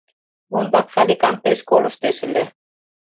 Ондак Саликам пеш колыштеш ыле.